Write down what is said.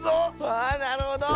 わあなるほど！